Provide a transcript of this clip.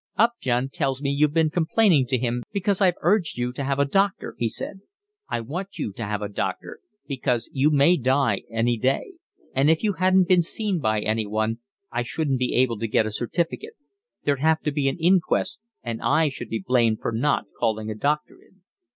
"Upjohn tells me you've been complaining to him because I've urged you to have a doctor," he said. "I want you to have a doctor, because you may die any day, and if you hadn't been seen by anyone I shouldn't be able to get a certificate. There'd have to be an inquest and I should be blamed for not calling a doctor in."